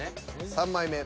３枚目。